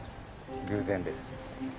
偶然です。